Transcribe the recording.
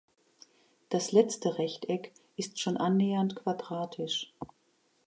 Das letzte Rechteck ist schon annähernd quadratisch.